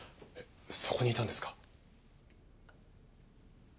そこにいたんですか。